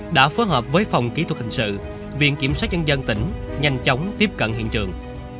đã phối hợp với phòng kỹ thuật hình sự viện kiểm sát nhân dân tỉnh nhanh chóng tiếp cận hiện trường